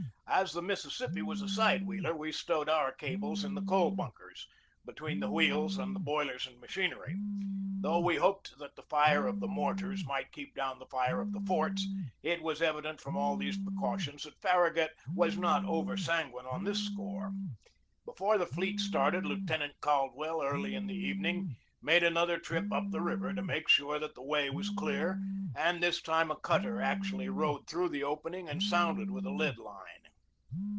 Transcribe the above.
As the Mississippi was a side wheeler we stowed our cables in the coal bunkers, between the wheels and the boilers and machinery. Though we hoped that the fire of the mortars might 60 THE BATTLE OF NEW ORLEANS 61 keep down the fire of the forts, it was evident from all these precautions that Farragut was not over sanguine on this score. Before the fleet started, Lieutenant Caldwell, early in the evening, made an other trip up the river to make sure that the way was clear, and this time a cutter actually rowed through the opening and sounded with a lead line.